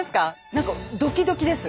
なんかドキドキです。